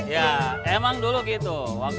ya emang dulu gitu